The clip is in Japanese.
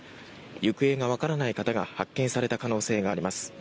行方がわからない方が発見された可能性があります。